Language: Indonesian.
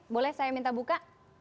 boleh saya minta buka